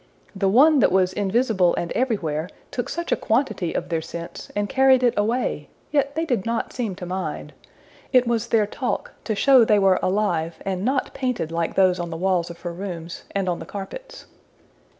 The one that was invisible and everywhere took such a quantity of their scents, and carried it away! yet they did not seem to mind. It was their talk, to show they were alive, and not painted like those on the walls of her rooms, and on the carpets.